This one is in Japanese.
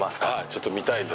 ちょっと見たいです。